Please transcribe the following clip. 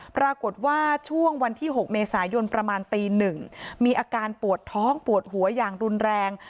ปรากฏว่าช่วงวันที่๖เมษายนประมาณตี๑มีอาการปวดท้องปวดหัวอย่างรุนแรง